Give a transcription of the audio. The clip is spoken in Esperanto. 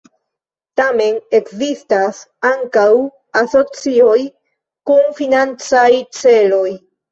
Tamen ekzistas ankaŭ asocioj kun financaj celoj.